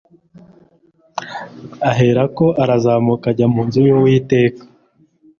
aherako arazamuka ajya mu nzu y'uwiteka